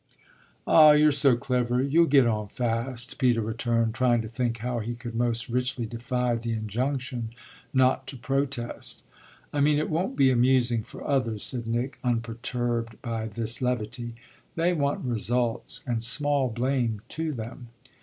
"Ah you're so clever you'll get on fast," Peter returned, trying to think how he could most richly defy the injunction not to protest. "I mean it won't be amusing for others," said Nick, unperturbed by this levity. "They want results, and small blame to them."